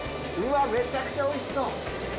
めちゃくちゃおいしそう！